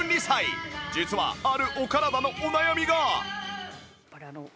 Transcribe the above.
実はあるお体のお悩みが